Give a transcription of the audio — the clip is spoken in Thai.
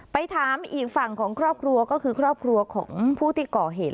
ไปถามอีกฝั่งของครอบครัวก็คือครอบครัวของผู้ที่ก่อเหตุ